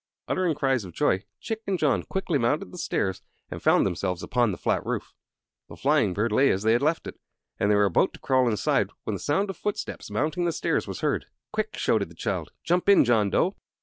Uttering cries of joy, Chick and John quickly mounted the stairs and found themselves upon the flat roof. The flying bird lay as they had left it, and they were about to crawl inside when the sound of footsteps mounting the stairs was heard. "Quick!" shouted the child. "Jump in, John Dough!"